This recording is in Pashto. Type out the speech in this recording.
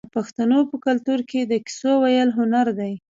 د پښتنو په کلتور کې د کیسو ویل هنر دی.